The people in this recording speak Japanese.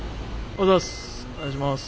お願いします。